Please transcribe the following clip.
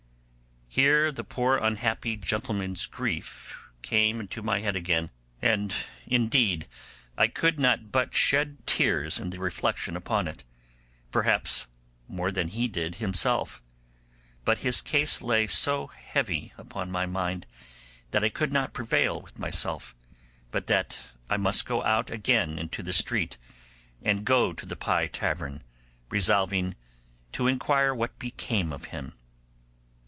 Here the poor unhappy gentleman's grief came into my head again, and indeed I could not but shed tears in the reflection upon it, perhaps more than he did himself; but his case lay so heavy upon my mind that I could not prevail with myself, but that I must go out again into the street, and go to the Pie Tavern, resolving to inquire what became of him.